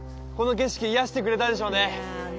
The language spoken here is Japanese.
この景色癒やしてくれたでしょうね